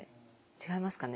違いますかね。